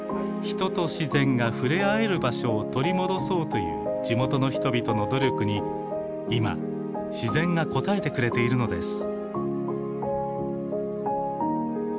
人と自然が触れ合える場所を取り戻そうという地元の人々の努力に今自然が応えてくれているのです。